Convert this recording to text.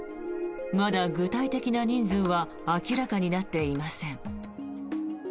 まだ具体的な人数は明らかになっていません。